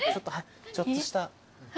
ちょっとした。